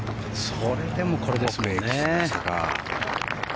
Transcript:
それでもこれですもんね。